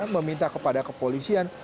meminta kepada kepolisian